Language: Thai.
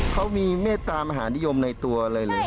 เขามีเมตตามหานิยมในตัวอะไรเลย